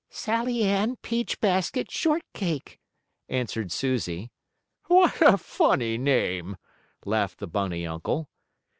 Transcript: "Sallieann Peachbasket Shortcake," answered Susie. "What a funny name," laughed the bunny uncle.